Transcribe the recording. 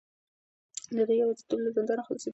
دی د یوازیتوب له زندانه خلاصېدل غواړي.